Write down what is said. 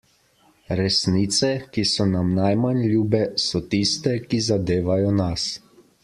Resnice, ki so nam najmanj ljube, so tiste, ki zadevajo nas.